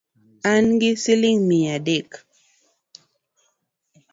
An gi siling mia adek